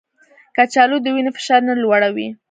کچالو د وینې فشار نه لوړوي